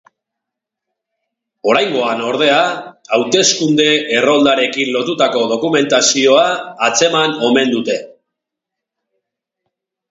Oraingoan, ordea, hauteskunde erroldarekin lotutako dokumentazioa atzeman omen dute.